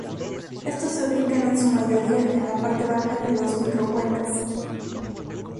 Estos se ubican en su mayoría en la parte baja de los micro-cuencas.